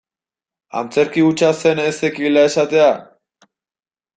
Antzerki hutsa zen ez zekiela esatea?